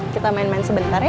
kita main main sebentar ya